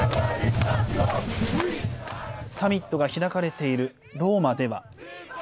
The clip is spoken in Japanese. サミットが開かれているローマでは。